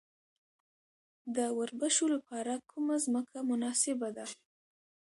د وربشو لپاره کومه ځمکه مناسبه ده؟